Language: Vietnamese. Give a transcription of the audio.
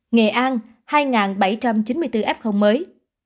nghệ an hai bảy trăm chín mươi bốn f mới